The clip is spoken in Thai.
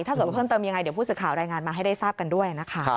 ถ้าเกิดเพิ่มเติมยังไงเดี๋ยวผู้ศึกข่าวรายงานมาให้ได้ทราบกันด้วย